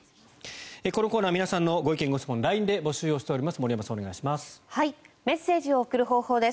このコーナー皆さんのご意見・ご質問をＬＩＮＥで募集しております。